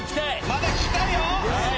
まだ聴きたいよ！